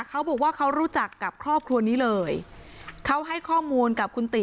เขาบอกว่าเขารู้จักกับครอบครัวนี้เลยเขาให้ข้อมูลกับคุณติ